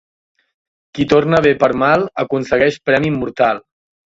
Qui torna bé per mal, aconsegueix premi immortal.